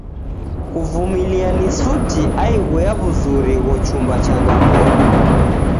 Kuvumilia ni suti aighu ya w'uzuri ghochumba changamodo.